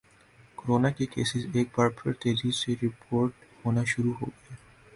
corona کے cases ایک بار پھر تیزی سے رپورٹ ہونا شروع ہوگئے